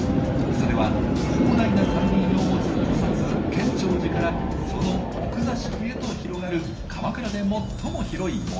それは広大な山林を持つ古刹建長寺からその奥座敷へと広がる鎌倉で最も広い森。